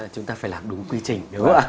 chúng ta phải làm đúng quy trình